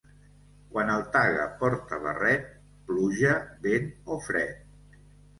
Quan el Taga porta barret, pluja, vent o fred.